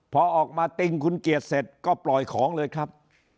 พอออกมาติ้งคุณเกียรติเสร็จก็ปล่อยของเลยครับ